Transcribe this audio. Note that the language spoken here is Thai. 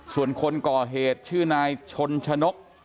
ส่วนคนก่อเหตุชื่อนายชนชนก